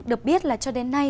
được biết là cho đến nay